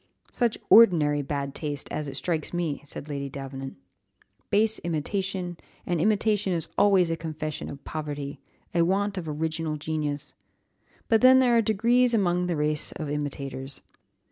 "Such ordinary bad taste! as it strikes me," said Lady Davenant; "base imitation, and imitation is always a confession of poverty, a want of original genius. But then there are degrees among the race of imitators.